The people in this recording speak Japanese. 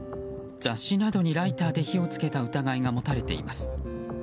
雑誌などにライターで火をつけた疑いが持たれています。